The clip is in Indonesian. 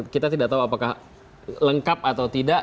kita tidak tahu apakah lengkap atau tidak